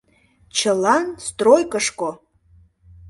Чылан — стройкышко!»